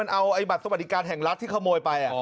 เอาบัตรสวัสดิการแห่งรัฐที่ขโมยไป